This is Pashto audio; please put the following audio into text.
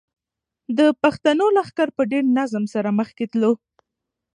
د پښتنو لښکر په ډېر نظم سره مخکې تلو.